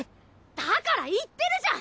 だから言ってるじゃん！